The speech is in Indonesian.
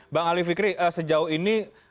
bang ali fikri sejauh ini